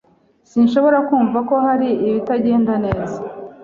Sinshobora kumva ko hari ibitagenda neza.